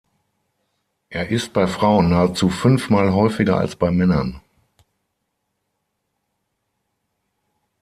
Er ist bei Frauen nahezu fünfmal häufiger als bei Männern.